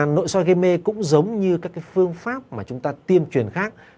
nội soi gây mê cũng giống như các phương pháp mà chúng ta tiêm truyền khác